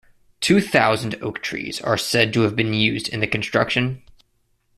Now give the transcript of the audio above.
Two thousand oak trees are said to have been used in the construction.